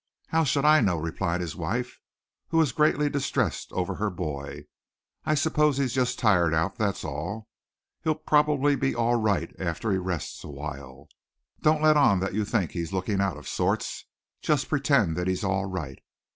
"How should I know?" replied his wife, who was greatly distressed over her boy. "I suppose he's just tired out, that's all. He'll probably be all right after he rests awhile. Don't let on that you think he's looking out of sorts. Just pretend that he's all right.